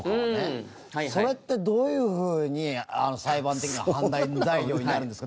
それってどういうふうに裁判的には判断材料になるんですか？